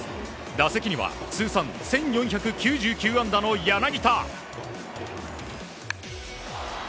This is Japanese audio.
打席には通算１４９９安打の柳田。